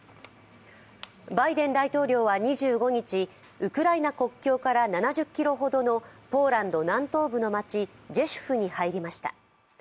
バイデン大統領は２５日、ウクライナ国境から７０ｋｍほどのポーランド南東部の街ジェシュフに入りました。